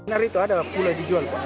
hari itu ada pulau dijual